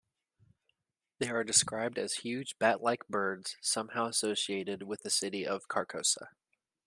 They are described as huge bat-like birds somehow associated with the city of Carcosa.